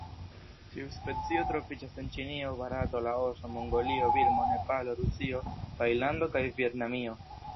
Tiu specio troviĝas en Ĉinio, Barato, Laoso, Mongolio, Birmo, Nepalo, Rusio, Tajlando kaj Vjetnamio.